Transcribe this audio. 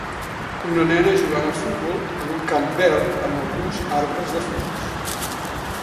Una nena jugant a futbol en un camp verd amb alguns arbres de fons.